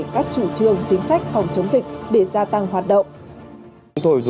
các chủ trương chính sách phòng chống dịch để gia tăng hoạt động